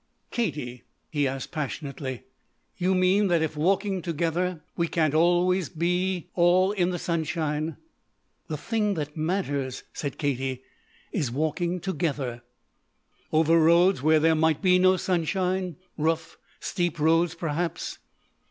"Katie," he asked passionately, "you mean that if walking together we can't always be all in the sunshine ?" "The thing that matters," said Katie, "is walking together." "Over roads where there might be no sunshine? Rough, steep roads, perhaps?"